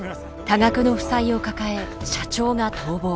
多額の負債を抱え社長が逃亡。